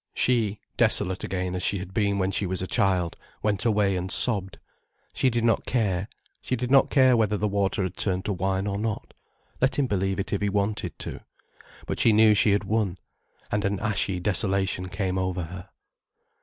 She, desolate again as she had been when she was a child, went away and sobbed. She did not care, she did not care whether the water had turned to wine or not. Let him believe it if he wanted to. But she knew she had won. And an ashy desolation came over her.